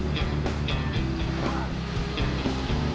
jangan lupa makassi